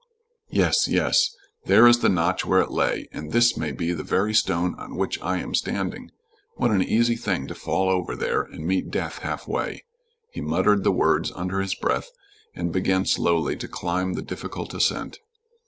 "Yes, yes. There is the notch where it lay, and this may be the very stone on which I am standing. What an easy thing to fall over there and meet death halfway!" He muttered the words under his breath and began slowly to climb the difficult ascent.